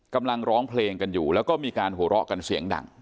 ร้องเพลงกันอยู่แล้วก็มีการหัวเราะกันเสียงดัง